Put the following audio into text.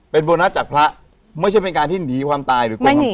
เป็นโบนัสจากพระไม่ใช่เป็นการที่หนีความตายหรือโกงความตาย